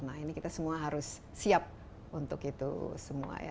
nah ini kita semua harus siap untuk itu semua ya